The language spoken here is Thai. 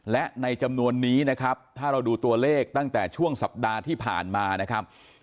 และในจำนวนนี้นะครับถ้าเราดูตัวเลขตั้งแต่ช่วงสัปดาห์ที่ผ่านมานะครับ